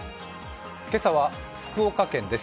今朝は福岡県です。